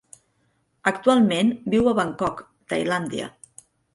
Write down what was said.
Actualment viu a Bangkok, Tailàndia.